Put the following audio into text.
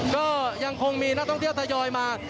ก็ยังคงมีนักท่องเที่ยวทยอยมา